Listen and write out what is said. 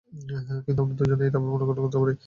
কিন্তু আমরা দুজনে, এটা আবার পুর্নগঠন করতে পারি।